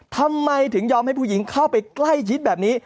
ทำไมถึงยอมให้ผู้หญิงเข้าไปใกล้ชิดแบบนี้